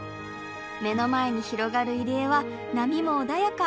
目の前に広がる入り江は波も穏やか。